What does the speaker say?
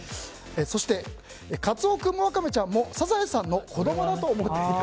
カツオ君もワカメちゃんもサザエさんの子供だと思っていた。